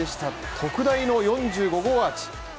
特大の４５号アーチ。